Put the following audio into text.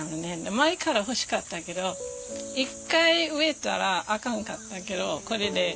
前から欲しかったけど一回植えたらあかんかったけどこれで２回目で。